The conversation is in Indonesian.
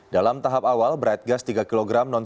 dalam tahap awal bright gas tiga kg non subsidi